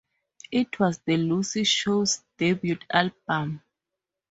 It was The Lucy Show's debut album.